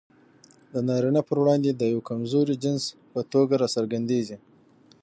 د نارينه پر وړاندې د يوه کمزوري جنس په توګه راڅرګندېږي.